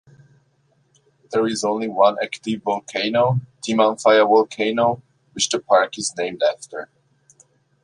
There is only one active volcano, Timanfaya volcano which the park is named after.